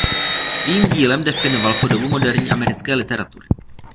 Svým dílem definoval podobu moderní americké literatury.